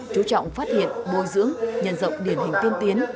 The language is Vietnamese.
chú trọng phát hiện bồi dưỡng nhân rộng điển hình tiên tiến